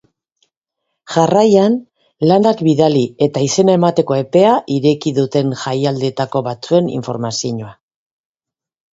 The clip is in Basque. Jarraian, lanak bidali eta izena emateko epea ireki duten jaialdietako batzuen informazioa.